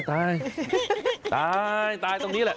ตายตรงนี้แหละ